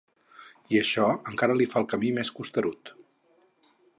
I això encara li fa el camí més costerut.